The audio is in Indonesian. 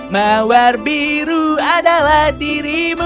mawar biru adalah dirimu